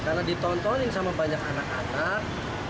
karena ditontonin sama banyak anak anak